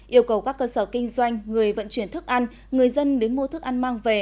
yêu cầu các cơ sở kinh doanh người vận chuyển thức ăn người dân đến mua thức ăn mang về